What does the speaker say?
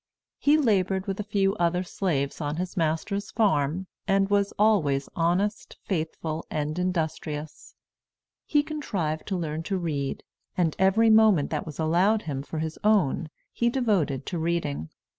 He labored with a few other slaves on his master's farm, and was always honest, faithful, and industrious. He contrived to learn to read, and every moment that was allowed him for his own he devoted to reading.